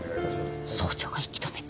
総長が引き止めて。